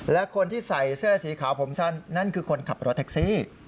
และคนที่ใส่เสื้อสีขาวผมสั้นนั่นคือคนขับรถแท็กซี่